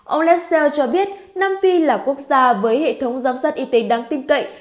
ông lesseel cho biết nam phi là quốc gia với hệ thống giám sát y tế đáng tin cậy